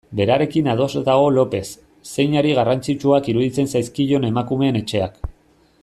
Berarekin ados dago Lopez, zeinari garrantzitsuak iruditzen zaizkion Emakumeen Etxeak.